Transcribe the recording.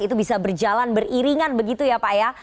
itu bisa berjalan beriringan begitu ya pak ya